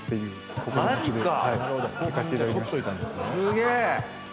すげえ！